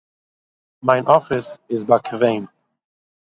מיין אפיס איז באקוועם